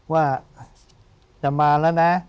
ว่าจะมาแล้วนะ